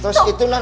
terus itu non